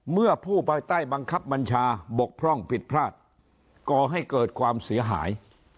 เมื่อผู้ภายใต้บังคับบัญชาบกพร่องผิดพลาดก่อให้เกิดความเสียหาย